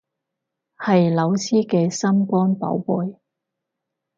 係老師嘅心肝寶貝